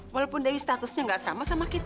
walaupun dewi statusnya nggak sama sama kita